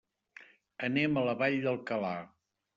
Anem a la Vall d'Alcalà.